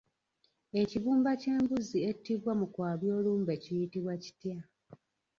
Ekibumba ky'embuzi ettibwa mu kwabya olumbe kiyitibwa kitya?